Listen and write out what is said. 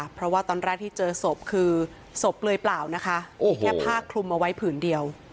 เพราะว่าตอนแรกที่เจอศพคือศพเปลือยเปล่านะคะมีแค่ผ้าคลุมเอาไว้ผืนเดียว